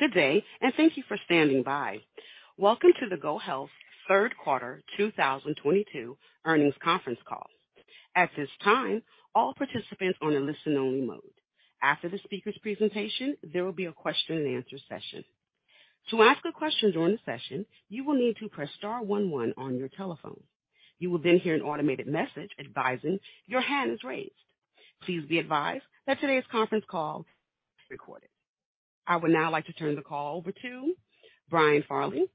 Good day, and thank you for standing by. Welcome to the GoHealth third quarter 2022 earnings conference call. At this time, all participants are in listen only mode. After the speaker's presentation, there will be a question and answer session. To ask a question during the session, you will need to press star one one on your telephone. You will then hear an automated message advising your hand is raised. Please be advised that today's conference call is recorded. I would now like to turn the call over to Brian Farley.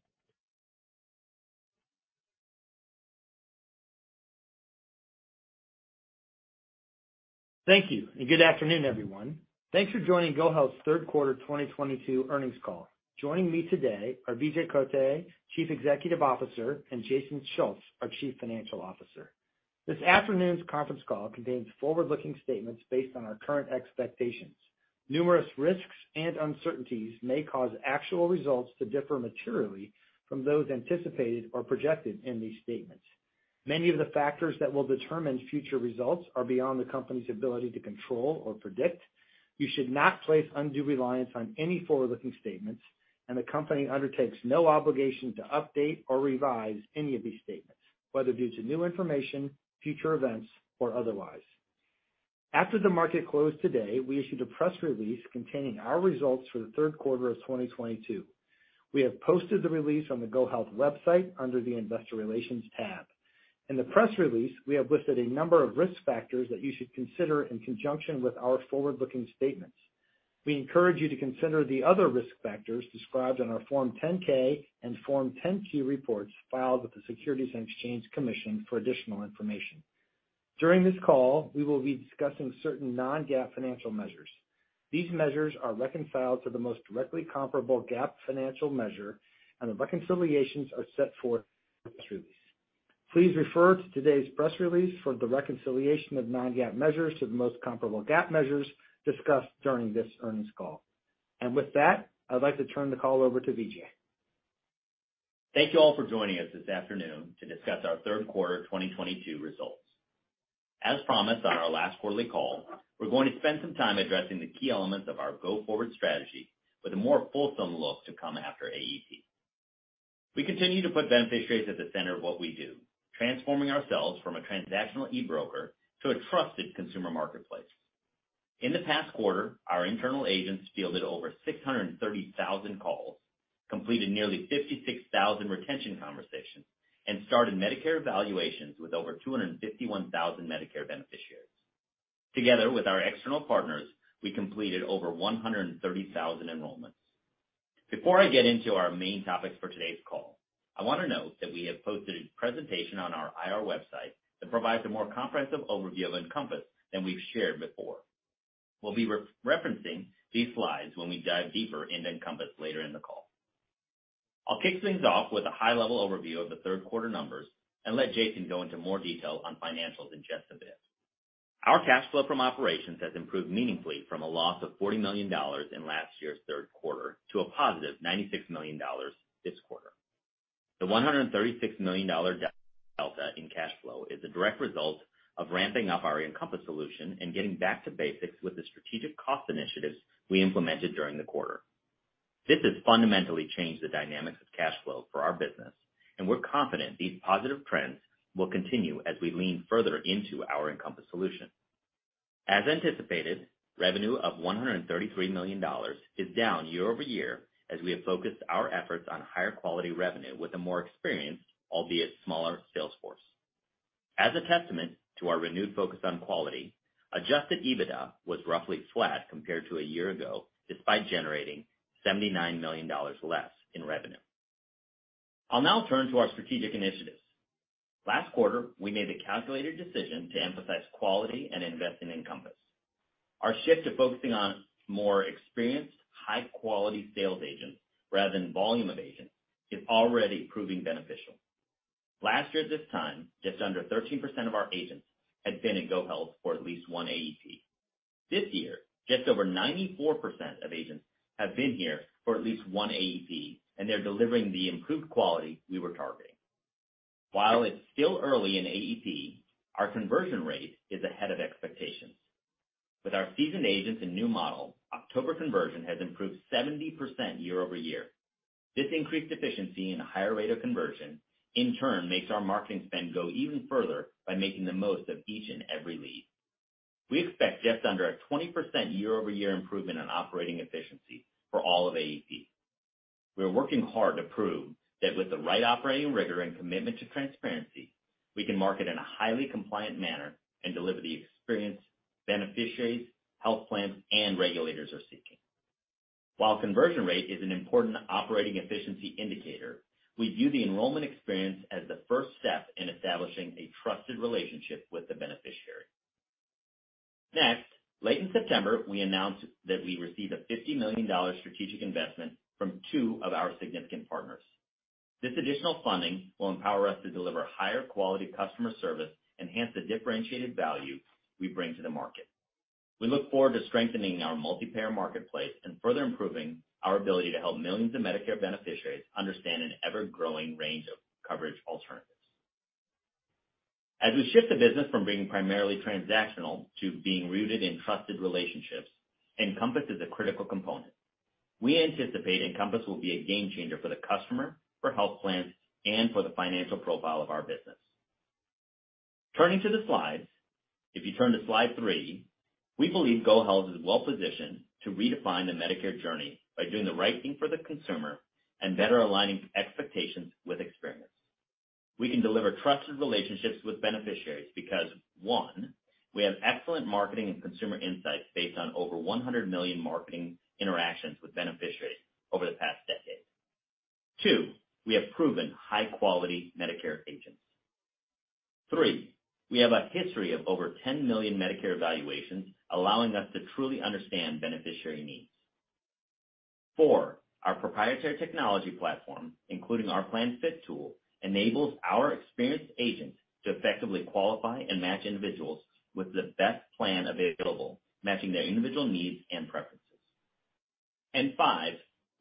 Thank you, and good afternoon, everyone. Thanks for joining GoHealth's third quarter 2022 earnings call. Joining me today are Vijay Kotte, Chief Executive Officer, and Jason Schulz, our Chief Financial Officer. This afternoon's conference call contains forward-looking statements based on our current expectations. Numerous risks and uncertainties may cause actual results to differ materially from those anticipated or projected in these statements. Many of the factors that will determine future results are beyond the company's ability to control or predict. You should not place undue reliance on any forward-looking statements, and the company undertakes no obligation to update or revise any of these statements, whether due to new information, future events, or otherwise. After the market closed today, we issued a press release containing our results for the third quarter of 2022. We have posted the release on the GoHealth website under the Investor Relations tab. In the press release, we have listed a number of risk factors that you should consider in conjunction with our forward-looking statements. We encourage you to consider the other risk factors described on our Form 10-K and Form 10-Q reports filed with the Securities and Exchange Commission for additional information. During this call, we will be discussing certain non-GAAP financial measures. These measures are reconciled to the most directly comparable GAAP financial measure, and the reconciliations are set forth in the press release. Please refer to today's press release for the reconciliation of non-GAAP measures to the most comparable GAAP measures discussed during this earnings call. With that, I'd like to turn the call over to Vijay. Thank you all for joining us this afternoon to discuss our third quarter 2022 results. As promised on our last quarterly call, we're going to spend some time addressing the key elements of our go-forward strategy with a more fulsome look to come after AEP. We continue to put beneficiaries at the center of what we do, transforming ourselves from a transactional e-broker to a trusted consumer marketplace. In the past quarter, our internal agents fielded over 630,000 calls, completed nearly 56,000 retention conversations, and started Medicare evaluations with over 251,000 Medicare beneficiaries. Together, with our external partners, we completed over 130,000 enrollments. Before I get into our main topics for today's call, I wanna note that we have posted a presentation on our IR website that provides a more comprehensive overview of Encompass than we've shared before. We'll be referencing these slides when we dive deeper into Encompass later in the call. I'll kick things off with a high-level overview of the third quarter numbers and let Jason go into more detail on financials in just a bit. Our cash flow from operations has improved meaningfully from a loss of $40 million in last year's third quarter to a positive $96 million this quarter. The $136 million delta in cash flow is a direct result of ramping up our Encompass solution and getting back to basics with the strategic cost initiatives we implemented during the quarter. This has fundamentally changed the dynamics of cash flow for our business, and we're confident these positive trends will continue as we lean further into our Encompass solution. As anticipated, revenue of $133 million is down year-over-year as we have focused our efforts on higher quality revenue with a more experienced, albeit smaller, sales force. As a testament to our renewed focus on quality, adjusted EBITDA was roughly flat compared to a year ago, despite generating $79 million less in revenue. I'll now turn to our strategic initiatives. Last quarter, we made the calculated decision to emphasize quality and invest in Encompass. Our shift to focusing on more experienced, high-quality sales agents rather than volume of agents is already proving beneficial. Last year at this time, just under 13% of our agents had been at GoHealth for at least one AEP. This year, just over 94% of agents have been here for at least one AEP, and they're delivering the improved quality we were targeting. While it's still early in AEP, our conversion rate is ahead of expectations. With our seasoned agents and new model, October conversion has improved 70% year-over-year. This increased efficiency and a higher rate of conversion in turn makes our marketing spend go even further by making the most of each and every lead. We expect just under a 20% year-over-year improvement on operating efficiency for all of AEP. We are working hard to prove that with the right operating rigor and commitment to transparency, we can market in a highly compliant manner and deliver the experience beneficiaries, health plans, and regulators are seeking. While conversion rate is an important operating efficiency indicator, we view the enrollment experience as the first step in establishing a trusted relationship with the beneficiary. Next, late in September, we announced that we received a $50 million strategic investment from two of our significant partners. This additional funding will empower us to deliver higher quality customer service, enhance the differentiated value we bring to the market. We look forward to strengthening our multi-payer marketplace and further improving our ability to help millions of Medicare beneficiaries understand an ever-growing range of coverage alternatives. As we shift the business from being primarily transactional to being rooted in trusted relationships, Encompass is a critical component. We anticipate Encompass will be a game changer for the customer, for health plans, and for the financial profile of our business. Turning to the slides. If you turn to slide three, we believe GoHealth is well-positioned to redefine the Medicare journey by doing the right thing for the consumer and better aligning expectations with experience. We can deliver trusted relationships with beneficiaries because, one, we have excellent marketing and consumer insights based on over 100 million marketing interactions with beneficiaries over the past decade. Two, we have proven high-quality Medicare agents. Three, we have a history of over 10 million Medicare evaluations, allowing us to truly understand beneficiary needs. Four, our proprietary technology platform, including our PlanFit tool, enables our experienced agents to effectively qualify and match individuals with the best plan available, matching their individual needs and preferences. Five,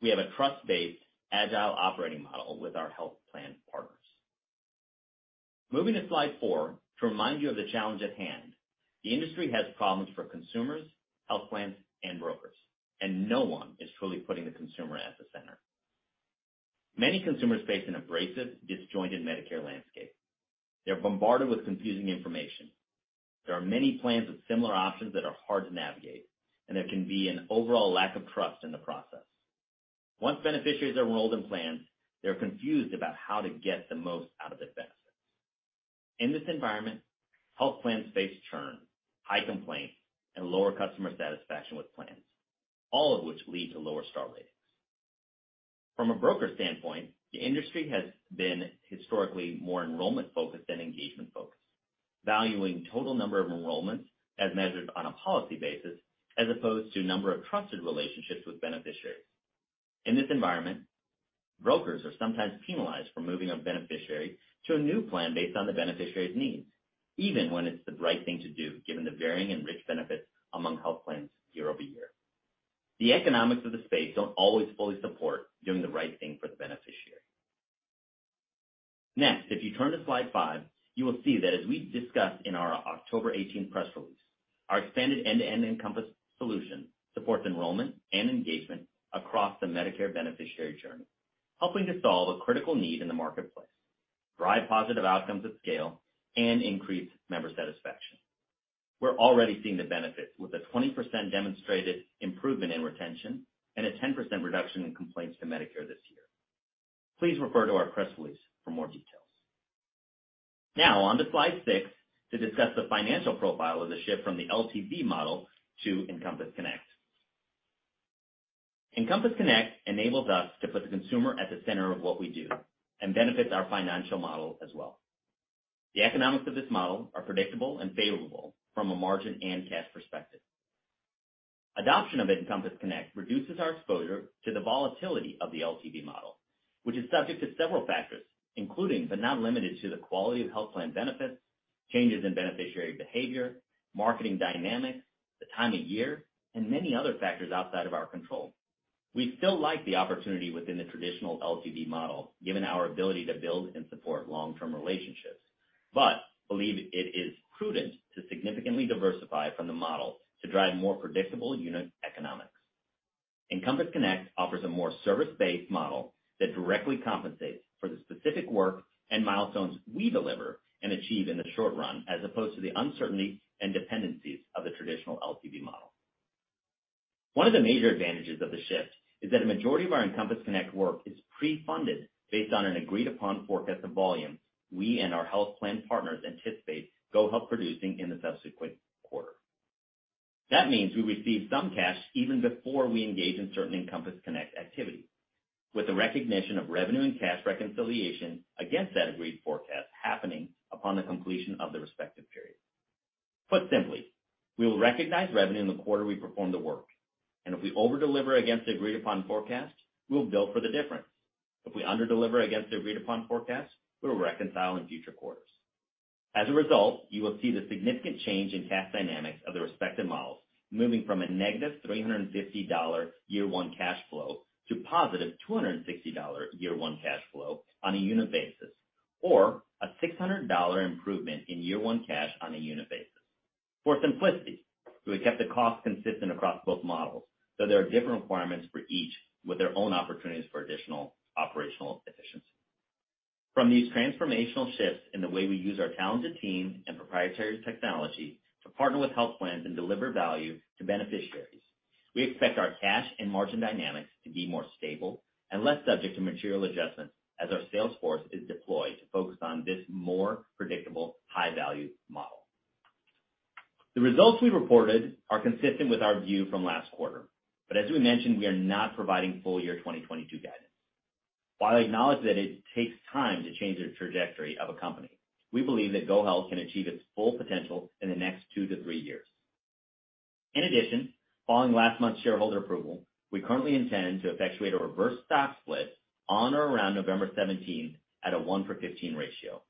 we have a trust-based agile operating model with our health plan partners. Moving to slide four to remind you of the challenge at hand. The industry has problems for consumers, health plans, and brokers, and no one is truly putting the consumer at the center. Many consumers face an abrasive, disjointed Medicare landscape. They're bombarded with confusing information. There are many plans with similar options that are hard to navigate, and there can be an overall lack of trust in the process. Once beneficiaries are enrolled in plans, they're confused about how to get the most out of their benefits. In this environment, health plans face churn, high complaints, and lower customer satisfaction with plans, all of which lead to lower Star Ratings. From a broker standpoint, the industry has been historically more enrollment-focused than engagement-focused, valuing total number of enrollments as measured on a policy basis, as opposed to number of trusted relationships with beneficiaries. In this environment, brokers are sometimes penalized for moving a beneficiary to a new plan based on the beneficiary's needs, even when it's the right thing to do, given the varying and rich benefits among health plans year-over-year. The economics of the space don't always fully support doing the right thing for the beneficiary. Next, if you turn to slide five, you will see that as we discussed in our October 18th press release, our expanded end-to-end Encompass solution supports enrollment and engagement across the Medicare beneficiary journey, helping to solve a critical need in the marketplace, drive positive outcomes at scale, and increase member satisfaction. We're already seeing the benefits with a 20% demonstrated improvement in retention and a 10% reduction in complaints to Medicare this year. Please refer to our press release for more details. Now on to Slide six to discuss the financial profile of the shift from the LTV model to Encompass Connect. Encompass Connect enables us to put the consumer at the center of what we do and benefits our financial model as well. The economics of this model are predictable and favorable from a margin and cash perspective. Adoption of Encompass Connect reduces our exposure to the volatility of the LTV model, which is subject to several factors, including but not limited to the quality of health plan benefits, changes in beneficiary behavior, marketing dynamics, the time of year, and many other factors outside of our control. We still like the opportunity within the traditional LTV model, given our ability to build and support long-term relationships, but believe it is prudent to significantly diversify from the model to drive more predictable unit economics. Encompass Connect offers a more service-based model that directly compensates for the specific work and milestones we deliver and achieve in the short run, as opposed to the uncertainty and dependencies of the traditional LTV model. One of the major advantages of the shift is that a majority of our Encompass Connect work is pre-funded based on an agreed-upon forecast of volume we and our health plan partners anticipate GoHealth producing in the subsequent quarter. That means we receive some cash even before we engage in certain Encompass Connect activity, with the recognition of revenue and cash reconciliation against that agreed forecast happening upon the completion of the respective period. Put simply, we will recognize revenue in the quarter we perform the work, and if we over-deliver against the agreed-upon forecast, we will bill for the difference. If we under-deliver against the agreed-upon forecast, we will reconcile in future quarters. As a result, you will see the significant change in cash dynamics of the respective models, moving from a -$350-year one cash flow to +$260-year one cash flow on a unit basis, or a $600 improvement in year one cash on a unit basis. For simplicity, we have kept the cost consistent across both models, though there are different requirements for each with their own opportunities for additional operational efficiency. From these transformational shifts in the way we use our talented team and proprietary technology to partner with health plans and deliver value to beneficiaries, we expect our cash and margin dynamics to be more stable and less subject to material adjustments as our sales force is deployed to focus on this more predictable, high-value model. The results we reported are consistent with our view from last quarter, but as we mentioned, we are not providing full year 2022 guidance. While I acknowledge that it takes time to change the trajectory of a company, we believe that GoHealth can achieve its full potential in the next two-three years. In addition, following last month's shareholder approval, we currently intend to effectuate a reverse stock split on or around November 17th at a one-for-15 ratio.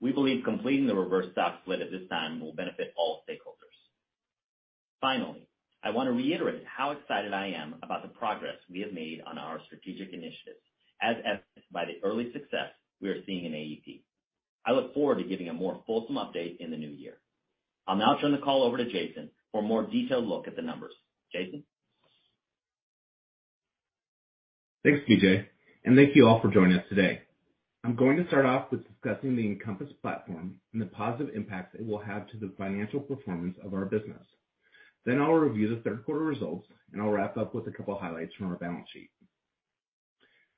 We believe completing the reverse stock split at this time will benefit all stakeholders. Finally, I wanna reiterate how excited I am about the progress we have made on our strategic initiatives, as evidenced by the early success we are seeing in AEP. I look forward to giving a more fulsome update in the new year. I'll now turn the call over to Jason for a more detailed look at the numbers. Jason? Thanks, Vijay, and thank you all for joining us today. I'm going to start off with discussing the Encompass platform and the positive impact it will have on the financial performance of our business. I'll review the third quarter results, and I'll wrap up with a couple highlights from our balance sheet.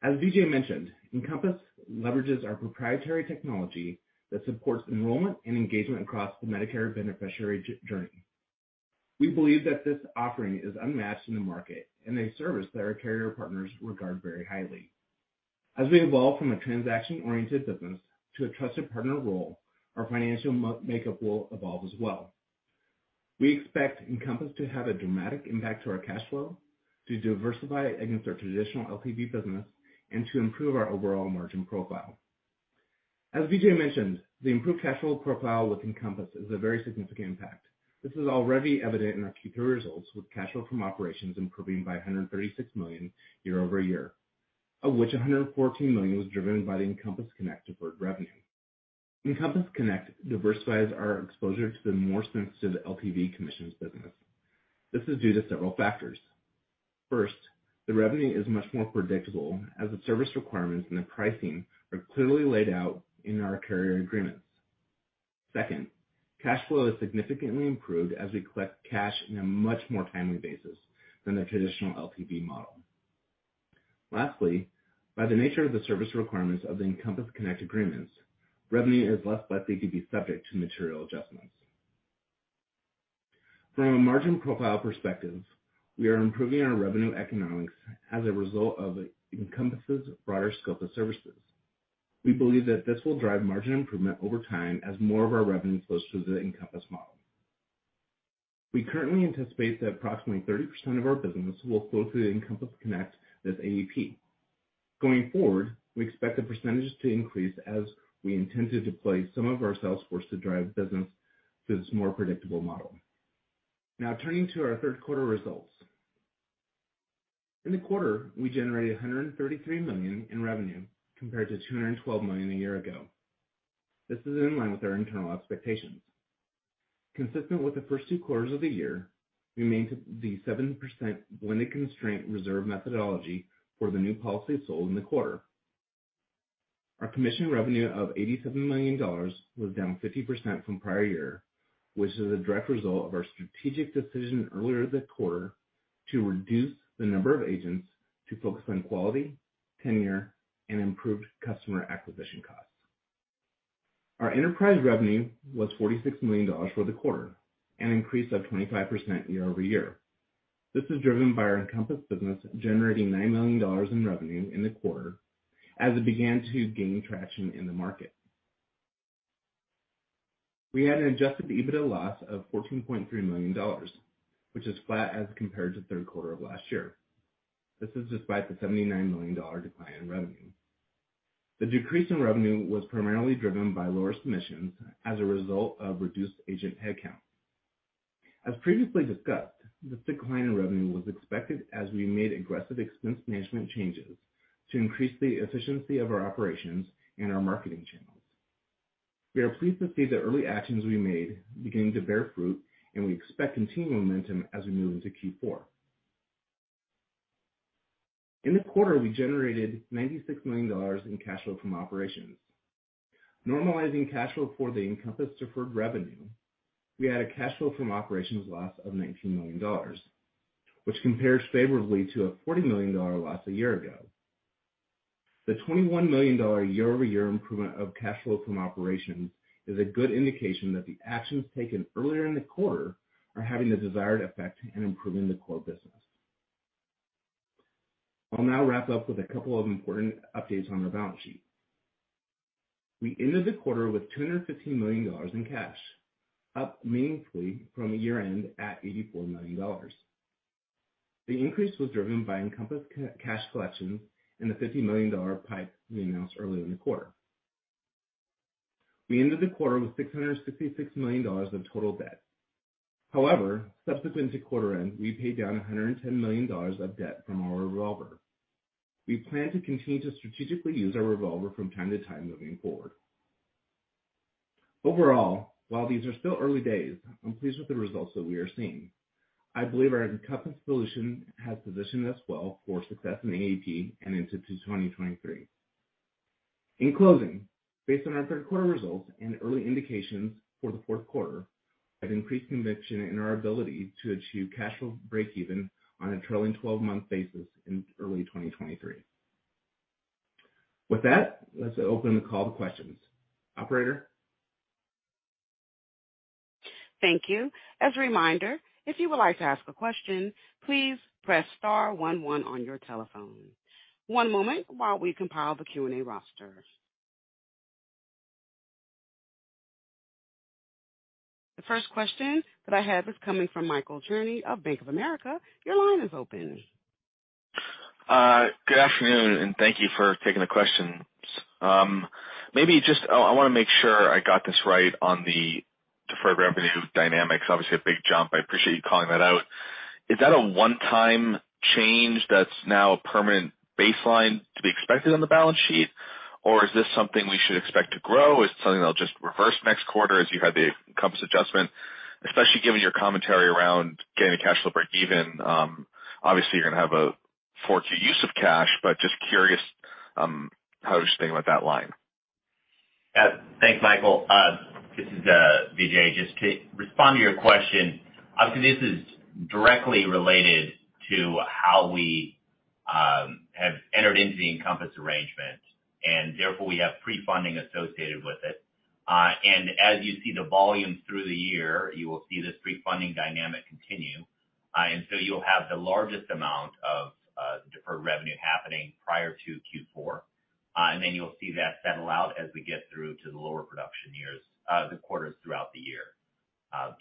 As Vijay mentioned, Encompass leverages our proprietary technology that supports enrollment and engagement across the Medicare beneficiary journey. We believe that this offering is unmatched in the market and a service that our carrier partners regard very highly. As we evolve from a transaction-oriented business to a trusted partner role, our financial makeup will evolve as well. We expect Encompass to have a dramatic impact on our cash flow, to diversify against our traditional LTV business, and to improve our overall margin profile. As Vijay mentioned, the improved cash flow profile with Encompass is a very significant impact. This is already evident in our Q2 results, with cash flow from operations improving by $136 million year-over-year, of which $114 million was driven by the Encompass Connect deferred revenue. Encompass Connect diversifies our exposure to the more sensitive LTV commissions business. This is due to several factors. First, the revenue is much more predictable as the service requirements and the pricing are clearly laid out in our carrier agreements. Second, cash flow is significantly improved as we collect cash in a much more timely basis than the traditional LTV model. Lastly, by the nature of the service requirements of the Encompass Connect agreements, revenue is less likely to be subject to material adjustments. From a margin profile perspective, we are improving our revenue economics as a result of Encompass' broader scope of services. We believe that this will drive margin improvement over time as more of our revenue flows through the Encompass model. We currently anticipate that approximately 30% of our business will flow through the Encompass Connect this AEP. Going forward, we expect the percentages to increase as we intend to deploy some of our sales force to drive business to this more predictable model. Now turning to our third quarter results. In the quarter, we generated $133 million in revenue compared to $212 million a year ago. This is in line with our internal expectations. Consistent with the first two quarters of the year, we maintained the 7% blended constraint reserve methodology for the new policy sold in the quarter. Our commission revenue of $87 million was down 50% from prior year, which is a direct result of our strategic decision earlier this quarter to reduce the number of agents to focus on quality, tenure, and improved customer acquisition costs. Our enterprise revenue was $46 million for the quarter, an increase of 25% year-over-year. This is driven by our Encompass business, generating $9 million in revenue in the quarter as it began to gain traction in the market. We had an adjusted EBITDA loss of $14.3 million, which is flat as compared to third quarter of last year. This is despite the $79 million decline in revenue. The decrease in revenue was primarily driven by lower submissions as a result of reduced agent headcount. As previously discussed, this decline in revenue was expected as we made aggressive expense management changes to increase the efficiency of our operations and our marketing channels. We are pleased to see the early actions we made beginning to bear fruit, and we expect continued momentum as we move into Q4. In the quarter, we generated $96 million in cash flow from operations. Normalizing cash flow for the Encompass deferred revenue, we had a cash flow from operations loss of $19 million, which compares favorably to a $40 million loss a year ago. The $21 million year-over-year improvement of cash flow from operations is a good indication that the actions taken earlier in the quarter are having the desired effect in improving the core business. I'll now wrap up with a couple of important updates on our balance sheet. We ended the quarter with $215 million in cash, up meaningfully from a year-end at $84 million. The increase was driven by Encompass cash collections and the $50 million PIPE we announced earlier in the quarter. We ended the quarter with $666 million of total debt. However, subsequent to quarter end, we paid down $110 million of debt from our revolver. We plan to continue to strategically use our revolver from time to time moving forward. Overall, while these are still early days, I'm pleased with the results that we are seeing. I believe our Encompass solution has positioned us well for success in AEP and into 2023. In closing, based on our third quarter results and early indications for the fourth quarter, I have increased conviction in our ability to achieve cash flow breakeven on a trailing 12-month basis in early 2023. With that, let's open the call to questions. Operator? Thank you. As a reminder, if you would like to ask a question, please press star one one on your telephone. One moment while we compile the Q&A roster. The first question that I have is coming from Michael Cherny of Bank of America. Your line is open. Good afternoon and thank you for taking the questions. Maybe I want to make sure I got this right on the deferred revenue dynamics, obviously a big jump. I appreciate you calling that out. Is that a one-time change that's now a permanent baseline to be expected on the balance sheet, or is this something we should expect to grow? Is it something that'll just reverse next quarter as you had the Encompass adjustment, especially given your commentary around getting to cash flow break even, obviously you're gonna have a 4Q use of cash, but just curious how to think about that line. Thanks, Michael. This is Vijay. Just to respond to your question. Obviously, this is directly related to how we have entered into the Encompass arrangement, and therefore we have pre-funding associated with it. As you see the volume through the year, you will see this pre-funding dynamic continue. You'll have the largest amount of deferred revenue happening prior to Q4. Then you'll see that settle out as we get through to the lower production years, the quarters throughout the year.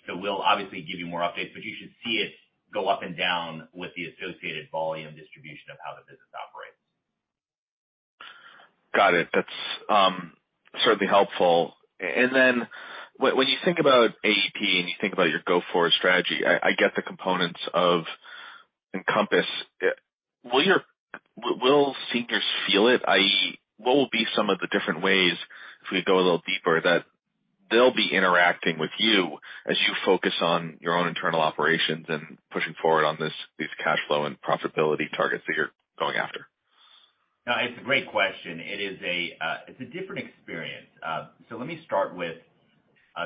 We'll obviously give you more updates, but you should see it go up and down with the associated volume distribution of how the business operates. Got it. That's certainly helpful. When you think about AEP and you think about your go-forward strategy, I get the components of Encompass. Will seniors feel it, i.e., what will be some of the different ways, if we go a little deeper, that they'll be interacting with you as you focus on your own internal operations and pushing forward on these cash flow and profitability targets that you're going after? No, it's a great question. It is a different experience. Let me start with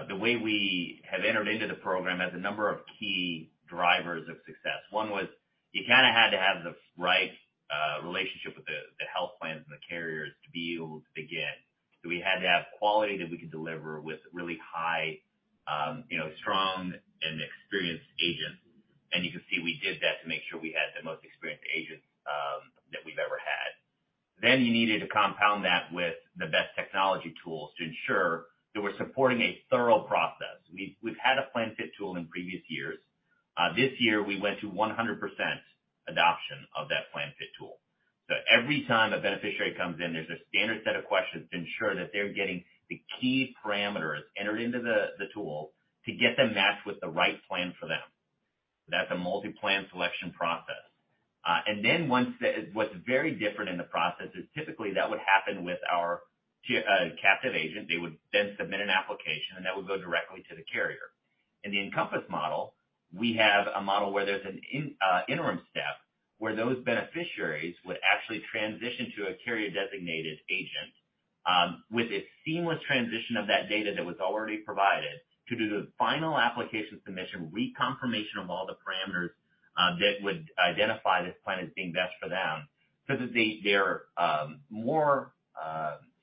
the way we have entered into the program with a number of key drivers of success. One was you kinda had to have the right relationship with the health plans and the carriers to be able to begin. We had to have quality that we could deliver with really high, you know, strong and experienced agents. You can see we did that to make sure we had the most experienced agents that we've ever had. You needed to compound that with the best technology tools to ensure that we're supporting a thorough process. We've had a PlanFit tool in previous years. This year, we went to 100% adoption of that PlanFit tool. Every time a beneficiary comes in, there's a standard set of questions to ensure that they're getting the key parameters entered into the tool to get them matched with the right plan for them. That's a multi-plan selection process. What's very different in the process is typically that would happen with our captive agent. They would then submit an application, and that would go directly to the carrier. In the Encompass model, we have a model where there's an interim step where those beneficiaries would actually transition to a carrier-designated agent, with a seamless transition of that data that was already provided to do the final application submission, reconfirmation of all the parameters, that would identify this plan as being best for them so that they're more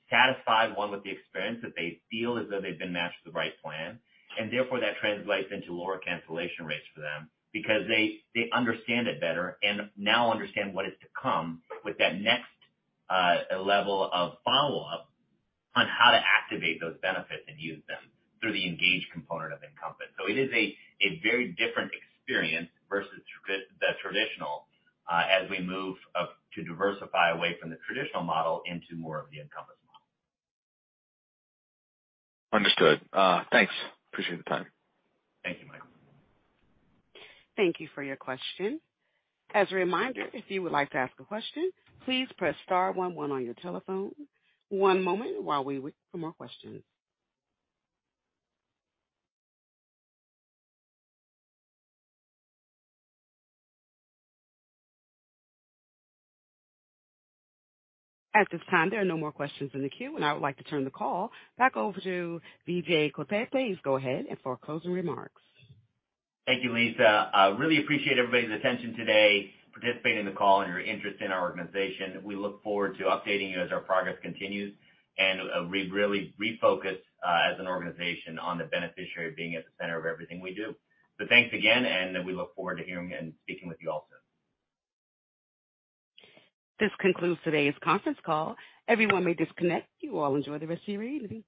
satisfied one with the experience that they feel as though they've been matched with the right plan. Therefore, that translates into lower cancellation rates for them because they understand it better and now understand what is to come with that next level of follow-up on how to activate those benefits and use them through the Engage component of Encompass. It is a very different experience versus the traditional, as we move off to diversify away from the traditional model into more of the Encompass model. Understood. Thanks. Appreciate the time. Thank you, Michael. Thank you for your question. As a reminder, if you would like to ask a question, please press star one one on your telephone. One moment while we wait for more questions. At this time, there are no more questions in the queue, and I would like to turn the call back over to Vijay Kotte. Please go ahead and for closing remarks. Thank you, Lisa. Really appreciate everybody's attention today, participating in the call, and your interest in our organization. We look forward to updating you as our progress continues and really refocus as an organization on the beneficiary being at the center of everything we do. Thanks again, and we look forward to hearing and speaking with you all soon. This concludes today's conference call. Everyone may disconnect. You all enjoy the rest of your evening.